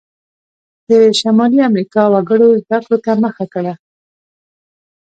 د شمالي امریکا وګړو زده کړو ته مخه کړه.